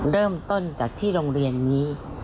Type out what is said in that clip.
เริ่มต้นจากที่โรงเรียนนี้